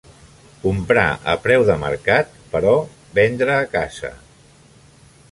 Comprar a preu de mercat, però vendre a casa